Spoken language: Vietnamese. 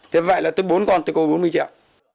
thế vậy là tới bốn con tôi có bốn mươi triệu